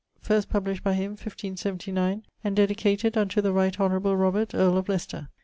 First published by him, 1579, and dedicated 'unto the right honourable Robert, earle of Leicester.'